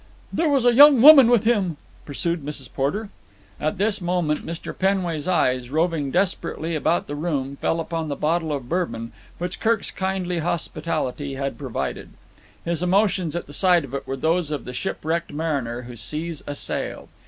"There was a young woman with him?" pursued Mrs. Porter. At this moment Mr. Penway's eyes, roving desperately about the room, fell upon the bottle of Bourbon which Kirk's kindly hospitality had provided. His emotions at the sight of it were those of the shipwrecked mariner who see a sail.